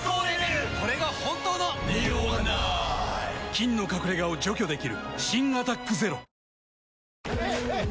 菌の隠れ家を除去できる新「アタックＺＥＲＯ」ヘイ！